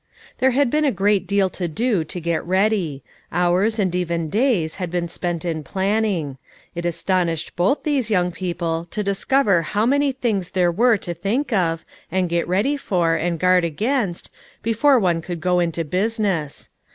There had been a great deal to do to get ready. Hours and even days had been spent in planning. It astonished both these young peo ple to discover how many things there were to think of, and get ready for, and guard against, before one could go into business.